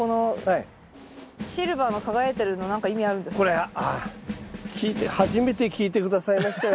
これああ初めて聞いて下さいましたよ